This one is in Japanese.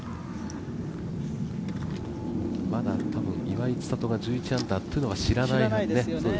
まだ岩井千怜が１１アンダーというのは知らないですね。